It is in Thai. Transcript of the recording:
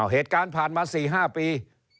เหตุการณ์ผ่านมา๔๕ปี